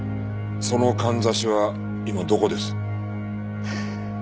そのかんざしは今どこです？はあ。